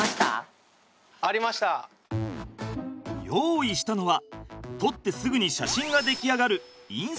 用意したのは撮ってすぐに写真が出来上がるあ